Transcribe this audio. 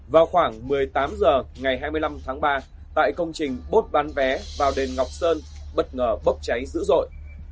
vào khoảng một mươi tám h ngày hai mươi năm tháng ba tại công trình bốt bán vé vào đền ngọc sơn bất ngờ bốc cháy dữ dội